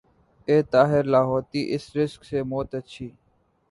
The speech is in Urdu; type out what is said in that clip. اے طائر لاہوتی اس رزق سے موت اچھی